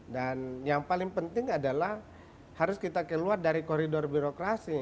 dan yang paling penting adalah harus kita keluar dari koridor birokrasi